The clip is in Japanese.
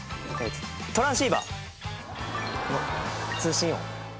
トランシーバーの通信音。